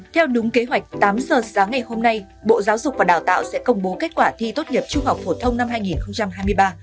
theo đúng kế hoạch tám giờ sáng ngày hôm nay bộ giáo dục và đào tạo sẽ công bố kết quả thi tốt nghiệp trung học phổ thông năm hai nghìn hai mươi ba